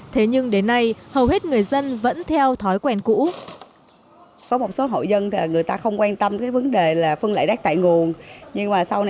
thế nhưng đến nay hầu hết người dân vẫn theo thói quen cũ